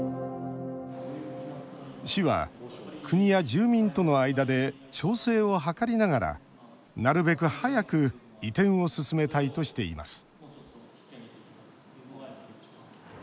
市は国や住民との間で調整を図りながら、なるべく早く移転を進めたいとしています